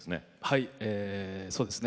はいそうですね。